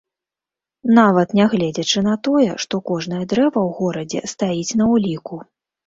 Нават нягледзячы на тое, што кожнае дрэва ў горадзе стаіць на ўліку.